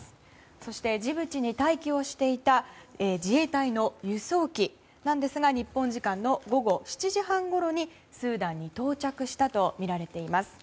そして、ジブチに待機をしていた自衛隊の輸送機なんですが日本時間の午後７時半ごろにスーダンに到着したとみられています。